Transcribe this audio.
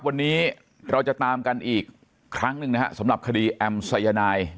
วันนี้เราจะตามกันอีกครั้งหนึ่งนะฮะสำหรับคดีแอมสายนาย